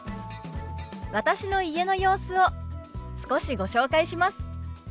私の家の様子を少しご紹介します。